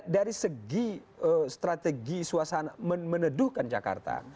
dari segi strategi suasana meneduhkan jakarta